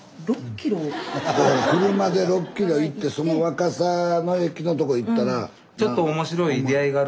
車で６ｋｍ行ってその若桜の駅のとこ行ったら。